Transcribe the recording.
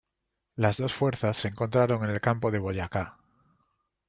Las dos fuerzas se encontraron en el campo de Boyacá.